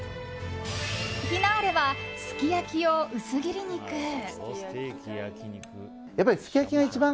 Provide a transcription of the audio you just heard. フィナーレはすき焼き用薄切り肉。